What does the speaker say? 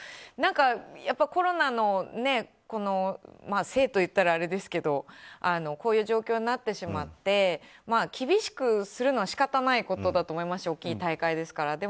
何かやっぱりコロナのせいといったらあれですけどこういう状況になってしまって厳しくするのは仕方ないことだと思いますし大きい大会ですから。